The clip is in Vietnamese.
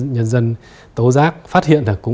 nhân dân tố giác phát hiện là